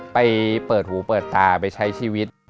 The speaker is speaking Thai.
ไปเปิดหูเปิดตาไปใช้ชีวิต